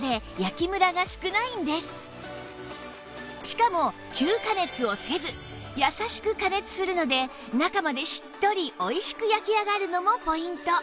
しかも急加熱をせずやさしく加熱するので中までしっとりおいしく焼き上がるのもポイント